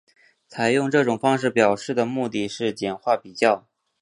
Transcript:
采用这种方式表示的目的是简化比较。